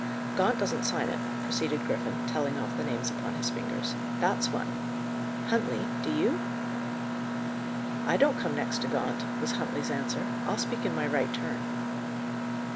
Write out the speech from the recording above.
"Gaunt doesn't sign it," proceeded Griffin, telling off the names upon his fingers. "That's one. Huntley, do you?" "I don't come next to Gaunt," was Huntley's answer. "I'll speak in my right turn."